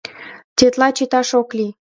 Тетла чыташ ок лий.